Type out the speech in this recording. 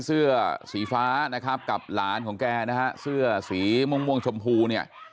เสื้อสีฟ้านะครับกับหลานของแกนะฮะเสื้อสีม่วงชมพูเนี่ย